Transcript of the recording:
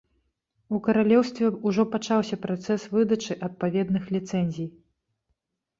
У каралеўстве ўжо пачаўся працэс выдачы адпаведных ліцэнзій.